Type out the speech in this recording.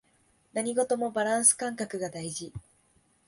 何事もバランス感覚が大事